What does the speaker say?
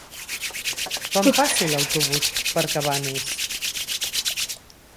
Quan passa l'autobús per Cabanes?